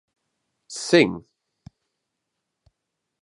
Sing!